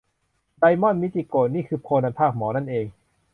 ไดมอน มิจิโกะ นี่คือโคนันภาคหมอนั่นเอง